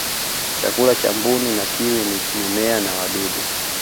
chakula cha mbuni na kiwi ni mimea na wadudu